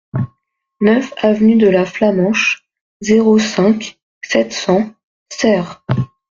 neuf avenue de la Flamenche, zéro cinq, sept cents Serres